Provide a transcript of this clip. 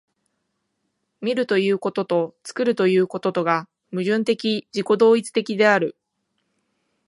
見るということと作るということとが矛盾的自己同一的である。